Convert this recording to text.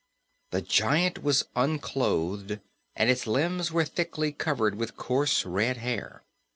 The giant was unclothed and its limbs were thickly covered with coarse red hair.